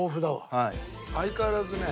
相変わらずね